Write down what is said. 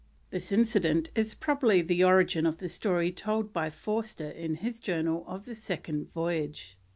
This incident is probably the origin of the story told by Forster in his Journal of the Second Voyage.